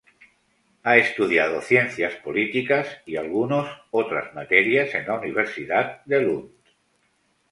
Ha estudiado Ciencias Políticas y algunos otras materias en la Universidad de Lund.